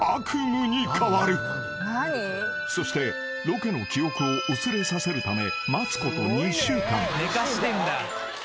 ［そしてロケの記憶を薄れさせるため待つこと２週間］